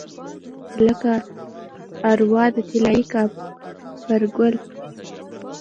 لکه اروا د طلايي کاپرګل